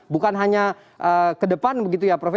bukan hanya ke depan begitu ya prof